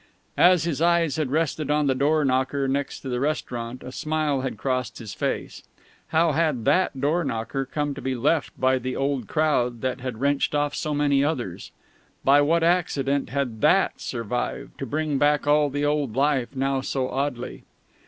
As his eyes had rested on the doorknocker next to the restaurant a smile had crossed his face. How had that door knocker come to be left by the old crowd that had wrenched off so many others? By what accident had that survived, to bring back all the old life now so oddly?